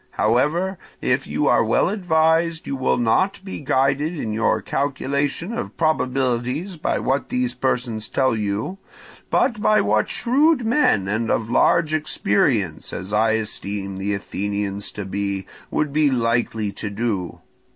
However, if you are well advised, you will not be guided in your calculation of probabilities by what these persons tell you, but by what shrewd men and of large experience, as I esteem the Athenians to be, would be likely to do.